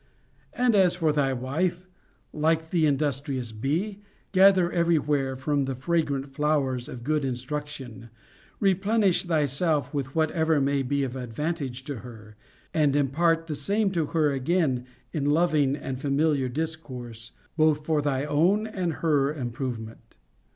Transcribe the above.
And as for thy wife, like the industrious bee, gather everywhere from the fragrant flowers of good instruction, replenish thyself with whatever may be of advantage to her, and impart the same to her again in loving and familiar discourse, both for thy own and her improvement.